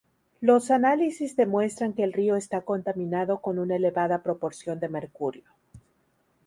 Los análisis demuestran que el río está contaminado con una elevada proporción de mercurio.